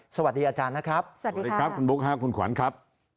สวัสดีอาจารย์นะครับสวัสดีครับคุณบุ๊คคุณขวัญครับ